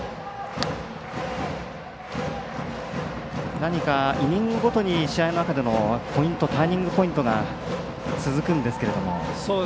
何かイニングごとに試合のターニングポイントが続くんですけど。